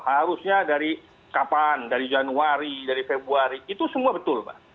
harusnya dari kapan dari januari dari februari itu semua betul pak